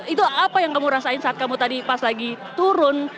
itu apa yang kamu rasain saat kamu tadi pas lagi turun